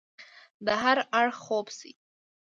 د هر اړخ خوب شي